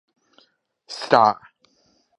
Sta.